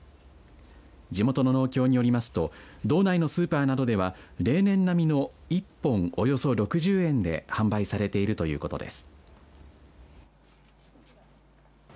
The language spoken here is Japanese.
地元の農協によりますと道内のスーパーなどでは例年並みの、１本およそ６０円で販売されているということです。